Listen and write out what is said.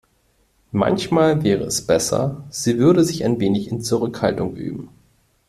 Manchmal wäre es besser, sie würde sich ein wenig in Zurückhaltung üben.